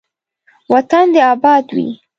وطن دې اباد وي.